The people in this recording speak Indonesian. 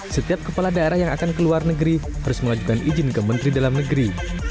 setiap kepala daerah yang akan keluar negeri harus mengajukan izin ke menteri dalam negeri